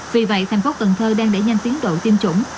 vì vậy thành phố cần thơ đang đẩy nhanh tiến độ tiêm chủng